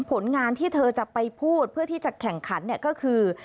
ผลงานที่เธอจะไปพูดเพื่อที่จะแข่งขันก็คือ